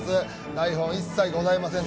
台本一切ございません。